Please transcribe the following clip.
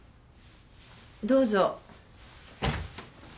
どうぞ。